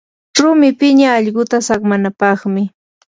rumi piña allquta saqmanapaqmi.